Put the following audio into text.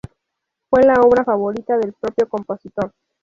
Fue la obra favorita del propio compositor.